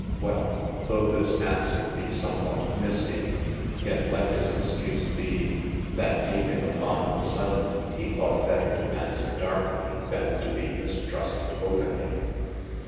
Well, though this aunswere bee some what mistie, yet let his excuse be : that taken uppon the sodaine, he thought better to aunswere darkly, than to be mistrusted openly.